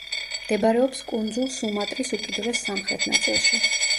მდებარეობს კუნძულ სუმატრის უკიდურეს სამხრეთ ნაწილში.